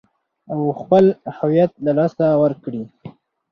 او خپل هويت له لاسه ور کړي .